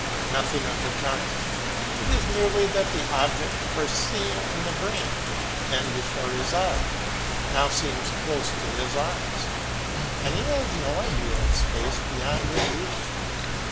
Nothing of the kind, it is merely that the object first seen in his brain, then before his eyes, now seems close to his arms, and he has no idea of space beyond his reach.